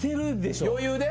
余裕で？